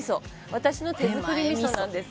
私の手作り味噌なんです。